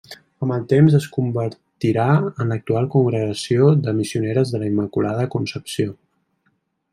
Amb el temps es convertirà en l'actual congregació de Missioneres de la Immaculada Concepció.